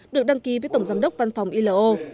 được đăng ký với tổng giám đốc văn phòng ilo